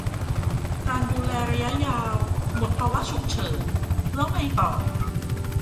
การดูแลระยะยาว หมดภาวะฉุกเฉินแล้วไงต่อ